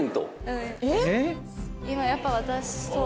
今やっぱ渡そう。